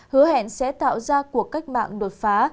hứa hẹn sẽ tạo ra cuộc cách mạng đột phá